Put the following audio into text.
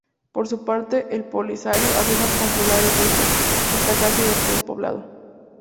Por su parte el Polisario afirma controlar el resto, que está casi despoblado.